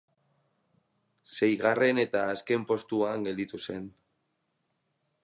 Seigarren eta azken postuan gelditu zen.